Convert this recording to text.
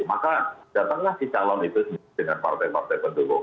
maka datanglah si calon itu dengan partai partai pendukung